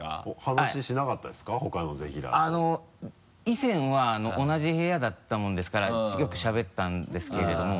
以前は同じ部屋だったものですからよくしゃべったんですけれども。